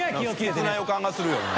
不吉な予感がするよね